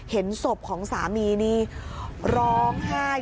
เห็นศพของสามีนี่ร้องไห้